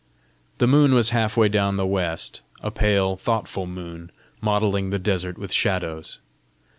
The moon was half way down the west, a pale, thoughtful moon, mottling the desert with shadows.